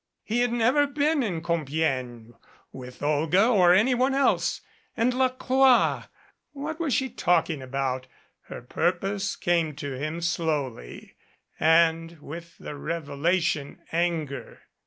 He had never been in Compiegne with Olga or anyone else. And La Croix ! What was she about? Her purpose came to him slowly, and with the revelation, anger.